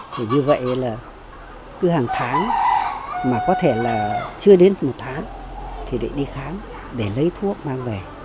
thì như vậy là cứ hàng tháng mà có thể là chưa đến một tháng thì đi khám để lấy thuốc mang về